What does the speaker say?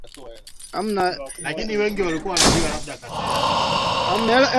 Ametuachia sisi yaani naweza kusema kwa kukisia tu nyimbo zinafika hata thelathini nilizotunga